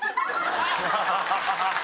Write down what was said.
ハハハハ！